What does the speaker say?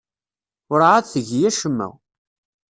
Werɛad tgi acemma.